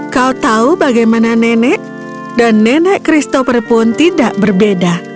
kau tahu bagaimana nenek dan nenek christopher pun tidak berbeda